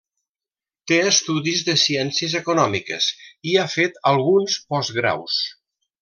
Té estudis de Ciències Econòmiques i ha fet alguns postgraus.